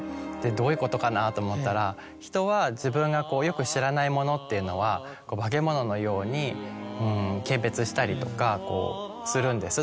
どういうことかなと思ったら「人は自分がよく知らないものっていうのは化物のように軽蔑したりとかするんです」。